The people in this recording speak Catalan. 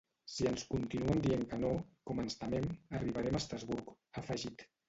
Si ens continuen dient que no, com ens temem, arribarem a Estrasburg, ha afegit.